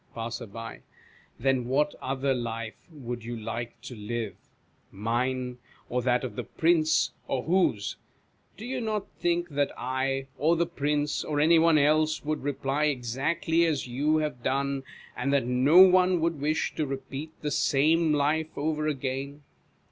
Passer. Then what other life would you like to live ? Mine, or that of the Prince, or whose ? Do you not think that I, or the Prince, or any one else, would reply exactly as you have done ; and that no one would wish to repeat the same life over again